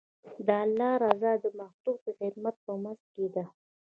د الله رضا د مخلوق د خدمت په منځ کې ده.